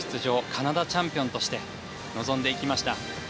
カナダチャンピオンとして臨んでいきました。